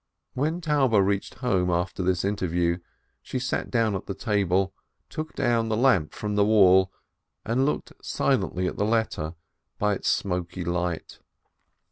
When Taube reached home after this interview, she sat down at the table, took down the lamp from the wall, and looked silently at the letter by its smoky light.